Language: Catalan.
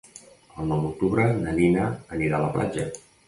El nou d'octubre na Nina anirà a la platja.